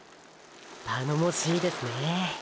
頼もしいですねー。